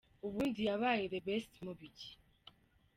Ubundi yabaye The Best mu biki?.